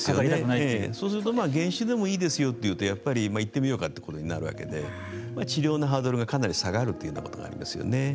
そうすると減酒でもいいですよというと行ってみようかということになるわけで治療のハードルがかなり下がるということがありますよね。